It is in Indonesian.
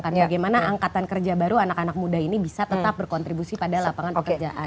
bagaimana angkatan kerja baru anak anak muda ini bisa tetap berkontribusi pada lapangan pekerjaan